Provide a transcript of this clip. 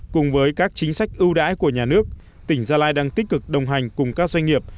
cùng với các chính sách ưu đãi của nhà nước tỉnh gia lai đang tích cực đồng hành cùng các doanh nghiệp